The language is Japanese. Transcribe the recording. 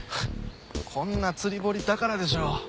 こんな釣堀だからでしょう。